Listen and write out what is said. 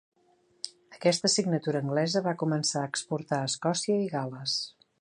Aquesta signatura anglesa va començar a exportar a Escòcia i Gal·les.